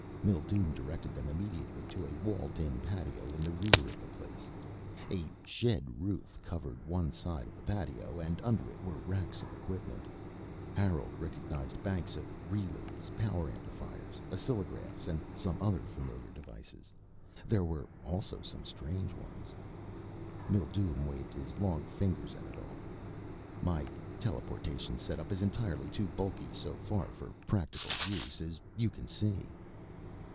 Mildume directed them immediately to a walled in patio in the rear of the place. A shed roof covered one side of the patio and under it were racks of equipment. Harold recognized banks of relays, power amplifiers, oscillographs and some other familiar devices. There were also some strange ones. Mildume waved his long fingers at all of it. "My teleportation set up is entirely too bulky so far for practical use, as you can see."